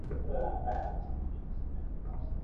আরে, লেপ্রেচাউন!